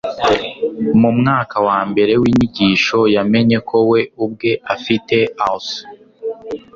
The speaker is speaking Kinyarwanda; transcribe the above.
mu mwaka wa mbere w'inyigisho, yamenye ko we ubwe afite als